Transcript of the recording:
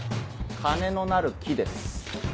金のなる木です。